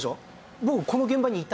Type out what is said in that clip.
僕この現場にいた。